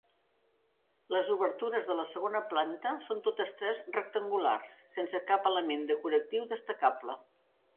Les obertures de la segona planta són totes tres rectangulars, sense cap element decoratiu destacable.